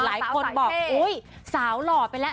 หลายคนบอกโอ้ยสาวหล่อมันไว้แล้ว